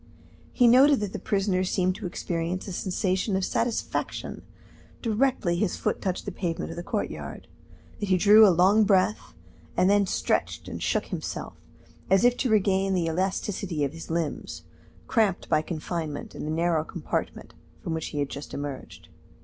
He noted that the prisoner seemed to experience a sensation of satisfaction directly his foot touched the pavement of the courtyard, that he drew a long breath, and then stretched and shook himself, as if to regain the elasticity of his limbs, cramped by confinement in the narrow compartment from which he had just emerged.